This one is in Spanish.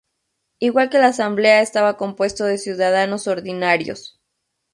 Igual que la Asamblea, estaba compuesto de ciudadanos ordinarios.